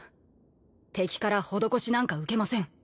敵から施しなんか受けません。